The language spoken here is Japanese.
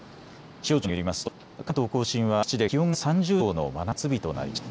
気象庁によりますと関東甲信は各地で気温が３０度以上の真夏日となりました。